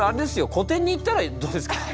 個展にいったらどうですか？